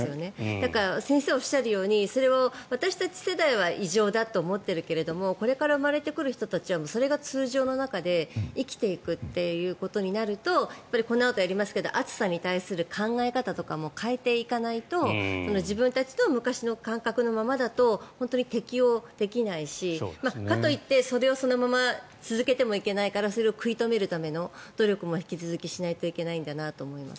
だから、先生がおっしゃるようにそれは私たち世代は異常だと思っているけれどこれから生まれてくる人たちはそれが通常の中で生きていくということになるとこのあとやりますけど暑さに対する考え方とかも変えていかないと自分たちの昔の感覚のままだと本当に適応できないしかといって、それをそのまま続けてもいけないからそれを食い止めるための努力も引き続きしないといけないんだなと思います。